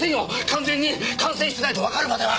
完全に感染してないとわかるまでは！